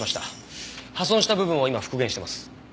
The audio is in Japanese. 破損した部分を今復元してます。